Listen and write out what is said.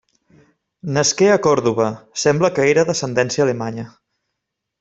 Nasqué a Còrdova, sembla que era d'ascendència alemanya.